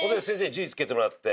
順位つけてもらって。